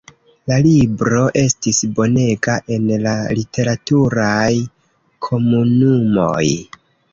La libro estis bonega en la literaturaj komunumoj.